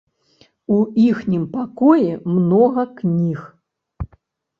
У іхнім пакоі многа кніг.